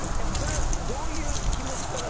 それはどういう気持ちからですか？